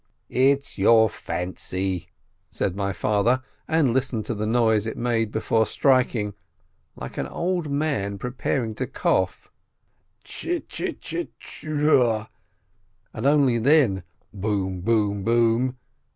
"It's your fancy," said my father, and listened to the noise it made before striking, like an old man preparing to cough: chil chil chil chil trrrr ... and only then: bom !— bom !— bom